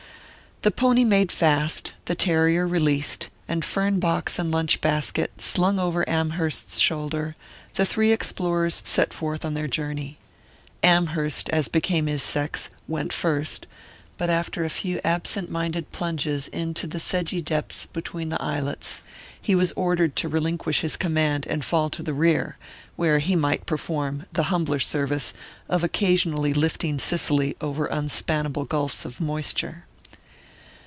The pony made fast, the terrier released, and fern box and lunch basket slung over Amherst's shoulder, the three explorers set forth on their journey. Amherst, as became his sex, went first; but after a few absent minded plunges into the sedgy depths between the islets, he was ordered to relinquish his command and fall to the rear, where he might perform the humbler service of occasionally lifting Cicely over unspannable gulfs of moisture.